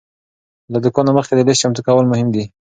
له دوکانه مخکې د لیست چمتو کول مهم دی.